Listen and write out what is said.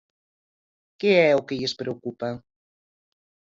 Que é o que lles preocupa?